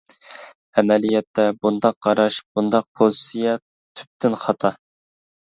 ئەمەلىيەتتە، بۇنداق قاراش، بۇنداق پوزىتسىيە تۈپتىن خاتا.